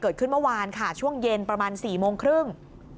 เกิดขึ้นเมื่อวานค่ะช่วงเย็นประมาณสี่โมงครึ่ง